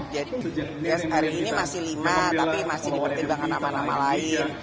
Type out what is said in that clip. jadi hari ini masih lima tapi masih dipertimbangkan sama sama lain